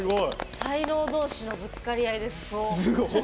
才能同士のぶつかりあいです。